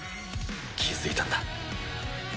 気付いたんだ。